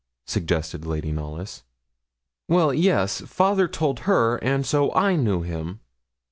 suggested Lady Knollys. 'Well, yes; father told her, and so I knew him.'